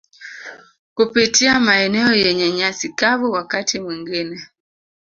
kupitia maeneo yenye nyasi kavu wakati mwingine